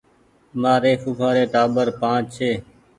مآري ڦوڦآ ري ٽآٻر پآنچ ڇي